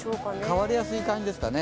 変わりやすい感じですかね。